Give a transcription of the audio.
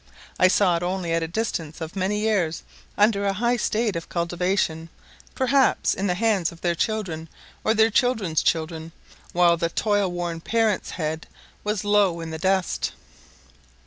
I saw it only at a distance of many years, under a high state of cultivation, perhaps in the hands of their children or their children's children, while the toil worn parent's head was low in the dust.